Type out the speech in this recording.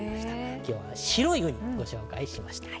今日は白いウニ、ご紹介しました。